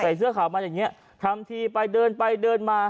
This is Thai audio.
ใส่เสื้อขาวมาอย่างเงี้ยทางทีไปดื่นไปมา